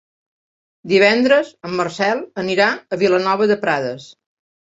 Divendres en Marcel anirà a Vilanova de Prades.